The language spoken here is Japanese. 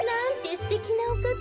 すてきなおかた。